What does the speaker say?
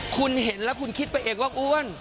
คุณเห็นแล้วคุณคิดไปเองว่าอ้วน